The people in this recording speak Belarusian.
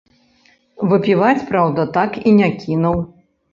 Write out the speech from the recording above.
Выпіваць, праўда, так і не кінуў.